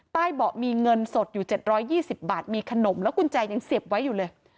เบาะมีเงินสดอยู่๗๒๐บาทมีขนมแล้วกุญแจยังเสียบไว้อยู่เลย